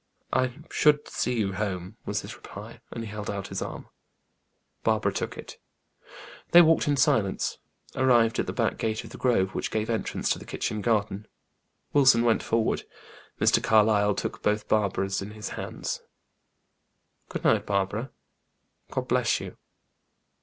"I should see you home," was his reply, and he held out his arm. Barbara took it. They walked in silence. Arrived at the back gate of the grove, which gave entrance to the kitchen garden, Wilson went forward. Mr. Carlyle took both Barbara's hands in his. "Good night, Barbara. God bless you."